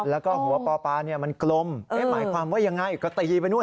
แล้วก็หัวปอปามันกลมหมายความว่ายังไงก็ตีไปนู่น